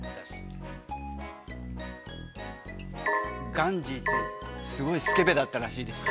ガンジーって、すごい助平だったらしいですよ。